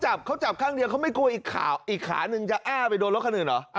อ้าวเขาจับข้างเดียวเขาไม่กลัวอีกขาหนึ่งจะอ้าวไปโดนรถคันอื่นหรือ